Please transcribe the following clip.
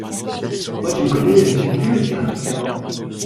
Moi, tu me connais, je suis plus aussi rapide qu’avant